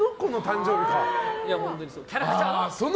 キャラクターの。